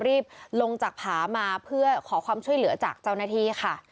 รีบลงจากผามาเพื่อขอความช่วยเหลือจากเจ้าหน้าที่ค่ะ